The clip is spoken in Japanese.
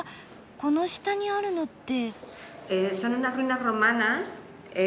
この下にあるのって。